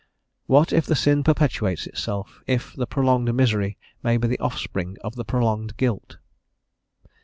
"What if the sin perpetuates itself, if the prolonged misery may be the offspring of the prolonged guilt?"